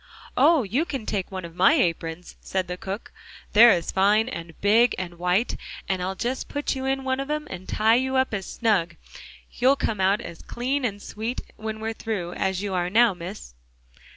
"Oh! you can take one of my aprons," said the cook, "they're as fine, and big, and white, and I'll just put you in one of 'em and tie you up as snug; you'll come out as clean and sweet when we're through, as you are now, Miss."